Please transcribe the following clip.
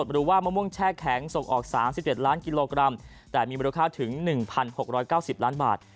หรือว่ามะม่วงแช่แข็งส่งออก๓๑ล้านกิโลกรัมแต่มีมูลค่าถึง๑๖๙๐ล้านบาท